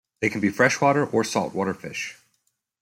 They can be freshwater or saltwater fish.